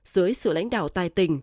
dưới sự lãnh đạo tài tình